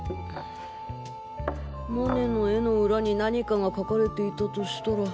モネの絵の裏に何かが書かれていたとしたら。